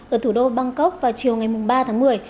ở thủ đô bangkok vào chiều ngày ba tháng một mươi